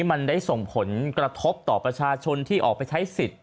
มันได้ส่งผลกระทบต่อประชาชนที่ออกไปใช้สิทธิ์